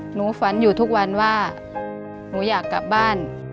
หนูฝันอยู่ทุกวันว่าหนูอยากกลับบ้าน